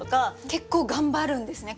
結構頑張るんですね